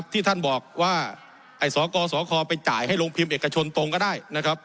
ที่ท่านบอกว่าไอ้สกสคไปจ่ายให้โรงพิมพ์เอกชนตรงก็ได้นะครับ